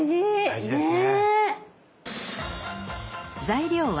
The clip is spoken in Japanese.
大事ですね。